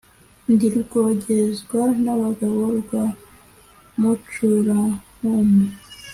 Ndi rwogezwa n'abagabo rwa mucurankumbi,